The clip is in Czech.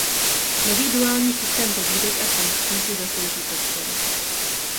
Nový duální systém pobídek a sankcí si zaslouží podporu.